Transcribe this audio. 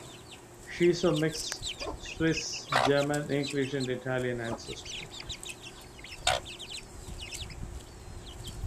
She's of mixed Swiss, German, English, and Italian ancestry.